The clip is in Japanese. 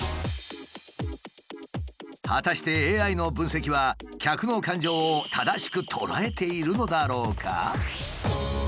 果たしてＡＩの分析は客の感情を正しく捉えているのだろうか？